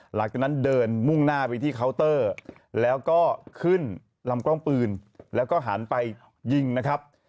หลังจากนั้นเดินมุ่งหน้าไปที่เคาน์เตอร์แล้วก็ขึ้นลำกล้องปืนแล้วก็หันไปยิงนะครับ